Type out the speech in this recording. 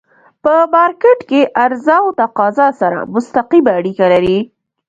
په مارکيټ کی عرضه او تقاضا سره مستقیمه اړیکه لري.